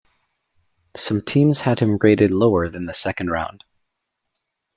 Some teams had him rated lower than the second round.